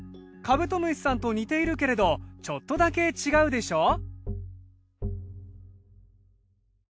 カブトムシさんと似ているけれどちょっとだけ違うでしょ？